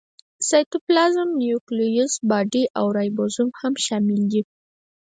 سایټوپلازم، نیوکلیوس باډي او رایبوزوم هم شامل دي.